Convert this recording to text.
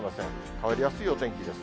変わりやすいお天気です。